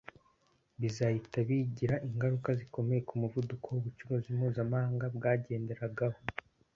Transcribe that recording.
bizahita bigira ingaruka zikomeye ku muvuduko ubucuruzi mpuzamahanga bwagenderagaho